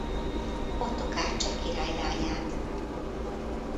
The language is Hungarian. Ottokár cseh király lányát.